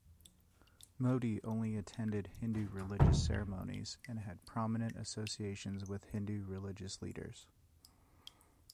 Modi only attended Hindu religious ceremonies, and had prominent associations with Hindu religious leaders.